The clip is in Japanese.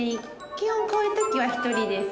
基本こういう時は一人です。